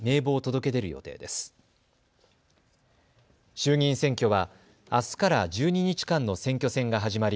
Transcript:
衆議院選挙はあすから１２日間の選挙戦が始まり